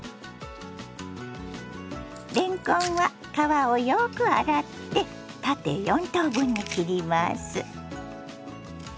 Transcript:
れんこんは皮をよく洗って縦４等分に切ります。